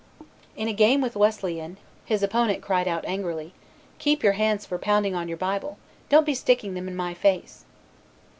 In a game with Wesleyan, his opponent cried out angrily, "Keep your hands for pounding on your Bible, don't be sticking them in my face."